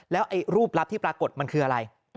แล้วรูปลับที่ปรากฏมันคืออะไร